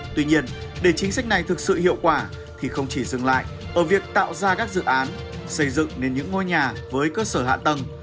tuy nhiên để chính sách này thực sự hiệu quả thì không chỉ dừng lại ở việc tạo ra các dự án xây dựng nên những ngôi nhà với cơ sở hạ tầng